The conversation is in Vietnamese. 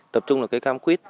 tập trung vào cây cam quýt